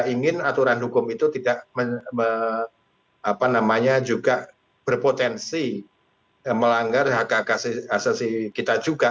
ingin aturan hukum itu tidak berpotensi melanggar hak hak asasi kita juga